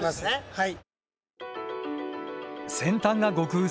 はい。